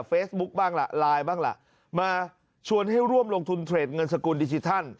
เฟซบุ๊คบ้างล่ะไลน์บ้างล่ะมาชวนให้ร่วมลงทุนเทรดเงินสกุลดิจิทัล